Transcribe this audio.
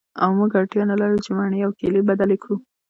او موږ اړتیا نلرو چې مڼې او کیلې بدلې کړو